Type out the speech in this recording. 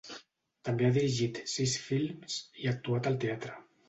També ha dirigit sis films, i actuat al teatre.